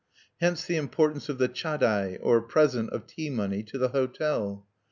Hence the importance of the chadai, or present of tea money, to the hotel.